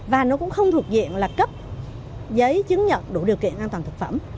và nó cũng không thuộc diện là cấp giấy chứng nhận đủ điều kiện an toàn thực phẩm